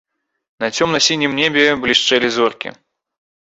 На цёмна-сінім небе блішчэлі зоркі.